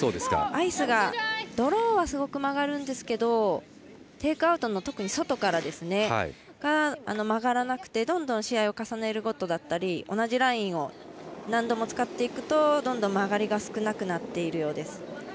アイスがドローはすごく曲がるんですけどテイクアウトの、特に外からが曲がらなくて、どんどん試合を重ねるごとだったり同じラインを何度も使っていくとどんどん曲がりが少なくなっているようです。